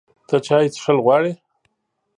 ته چای څښل غواړې؟